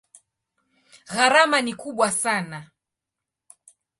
Gharama ni kubwa sana.